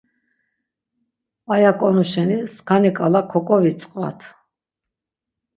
Aya ǩonu şeni skani ǩala koǩovitzqvat.